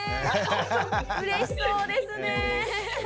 うれしそうですね。